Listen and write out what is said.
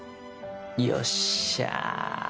よっしゃ。